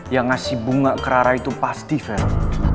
yang ngasih bunga ke rara itu pasti felix